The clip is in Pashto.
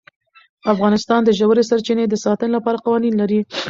افغانستان د ژورې سرچینې د ساتنې لپاره قوانین لري.